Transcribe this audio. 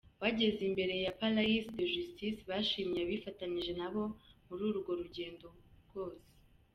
Bageze imbere ya Palais de Justice, bashimiye abifitanije nabo muri urwo rugendo bose.